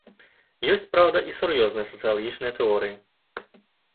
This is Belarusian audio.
Ёсць, праўда, і сур'ёзныя сацыялагічныя тэорыі.